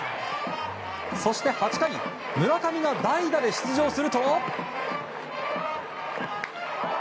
そして８回、村上が代打で出場すると。